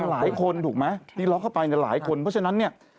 หลายคนถูกไหมที่ล็อกเข้าไปเนี่ยหลายคนเพราะฉะนั้นเนี่ย